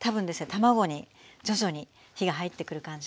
卵に徐々に火が入ってくる感じなので。